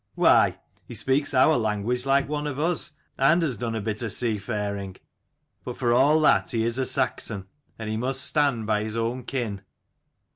Why, he speaks our language like one of us, and has done a bit of seafaring. But for all that he is a Saxon, and he must stand by his own kin."